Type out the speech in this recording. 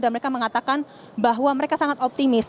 dan mereka mengatakan bahwa mereka sangat optimis